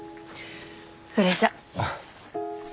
それじゃ。